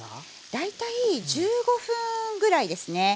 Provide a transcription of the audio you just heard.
大体１５分ぐらいですね。